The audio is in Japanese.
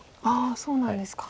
そうなんですか。